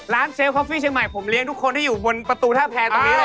เซฟคอฟฟี่เชียงใหม่ผมเลี้ยงทุกคนที่อยู่บนประตูท่าแพรตรงนี้เลย